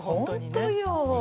本当よ。